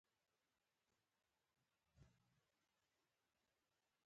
د شتمنیو د تنظیم په برخه کې مقرراتو ته اړتیا لرله.